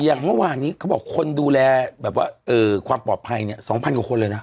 อย่างเมื่อวานนี้เขาบอกคนดูแลความปลอบภัย๒๐๐๐กว่าคนเลยนะ